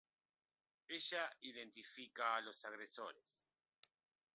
Ella identifica a los agresores.